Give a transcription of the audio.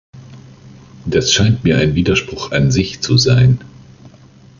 Das scheint mir ein Widerspruch an sich zu sein.